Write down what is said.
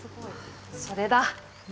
それだ。